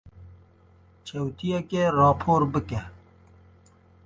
Çewtiyekê rapor bike.